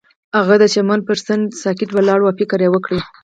هغه د چمن پر څنډه ساکت ولاړ او فکر وکړ.